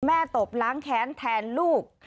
แม่ตบล้างแขนแทนลูก